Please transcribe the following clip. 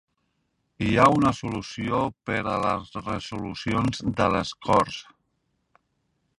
Hi ha una solució per a les resolucions de les Corts